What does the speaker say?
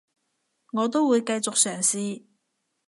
我都會繼續嘗試